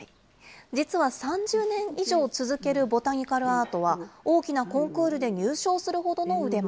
実は、３０年以上続けるボタニカルアートは、大きなコンクールで入賞するほどの腕前。